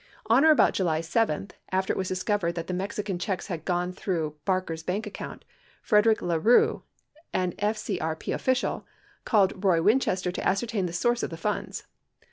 On or about July 7, after it was discovered that the Mexican checks had gone through Barker's bank account, Frederick La Rue, an FCRP official, called Roy Winchester to ascertain the source of the funds.